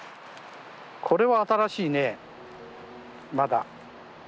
これは新しいねまだ。